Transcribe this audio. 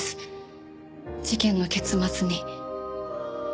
事件の結末に。